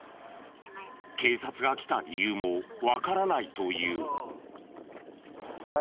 警察が来た理由もわからないという。